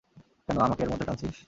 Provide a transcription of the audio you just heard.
কেন, আমাকে এর মধ্যে টানছিস?